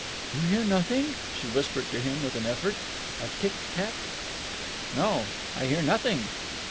"You hear nothing?" she whispered to him with an effort. "A tick tack?" "No, I hear nothing."